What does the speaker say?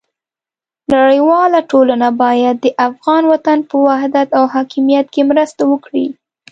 نړیواله ټولنه باید د افغان وطن په وحدت او حاکمیت کې مرسته وکړي.